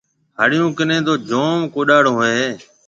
هاڙِيون ڪنَي تو جوم ڪوڏاڙون هوئي هيَ۔